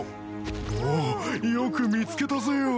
ボーよく見つけたぜよ！